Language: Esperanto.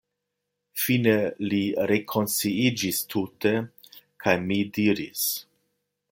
Fine li rekonsciiĝis tute, kaj mi diris: